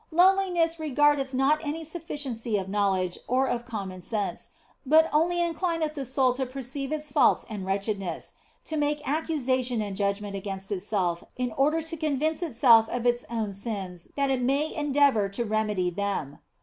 Lowliness regardeth not any sufficiency of knowledge or of common sense, but only inclineth the soul to perceive its faults and wretched ness, to make accusation and judgment against itself in order to convince itself of its own sins that it may en deavour to remedy them.